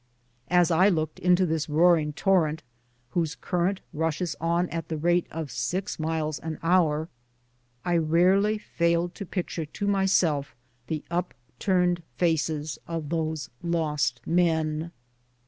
As I looked into this roaring torrent, whose current rushes on at the rate of six miles an hour, I rarely failed to picture to myself the upturned faces of these lost men.